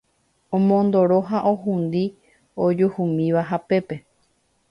Omondoro ha ohundi ojuhumíva hapépe